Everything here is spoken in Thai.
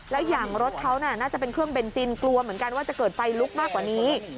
แล้วอย่างรถเขาน่าจะเป็นเครื่องเบนซินกลัวเหมือนกันว่าจะเกิดไฟลุกมากกว่านี้